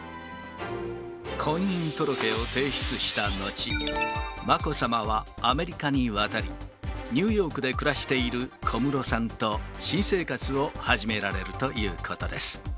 婚姻届を提出した後、まこさまはアメリカに渡り、ニューヨークで暮らしている小室さんと新生活を始められるということです。